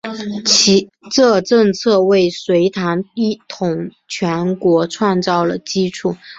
这政策为隋唐一统全国创造了基础。